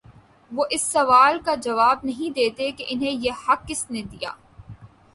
وہ اس سوال کا جواب نہیں دیتے کہ انہیں یہ حق کس نے دیا ہے۔